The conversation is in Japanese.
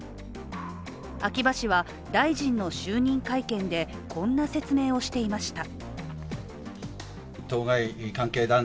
秋葉氏は、大臣の就任会見でこんな説明をしていました。